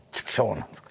なんですか？